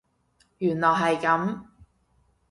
原來係噉